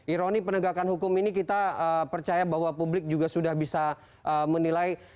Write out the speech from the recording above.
ironi penegakan hukum ini kita percaya bahwa publik juga sudah bisa menilai